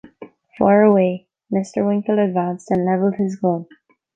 ‘Fire away.’ Mr. Winkle advanced, and levelled his gun.